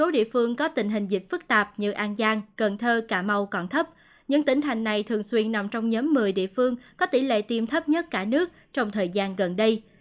sáu địa phương có tình hình dịch phức tạp như an giang cần thơ cà mau còn thấp những tỉnh thành này thường xuyên nằm trong nhóm một mươi địa phương có tỷ lệ tiêm thấp nhất cả nước trong thời gian gần đây